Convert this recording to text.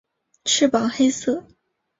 翅膀黑色。